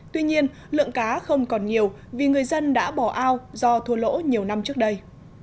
tuy nhiên lượng cá không còn nhiều vì người dân đã bỏ ao do thua lỗ nhiều năm trước đây